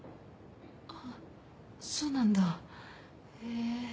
あっそうなんだへぇ。